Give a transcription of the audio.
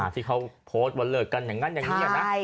ที่เขาโพสต์ว่าเลิกกันอย่างนั้นอย่างนี้นะ